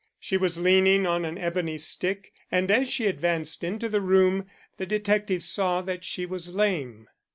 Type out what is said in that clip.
She was leaning on an ebony stick, and as she advanced into the room the detective saw that she was lame.